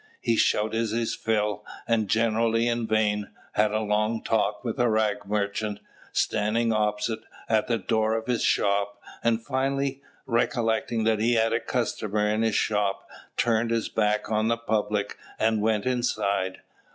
He shouted his fill, and generally in vain, had a long talk with a rag merchant, standing opposite, at the door of his shop; and finally, recollecting that he had a customer in his shop, turned his back on the public and went inside.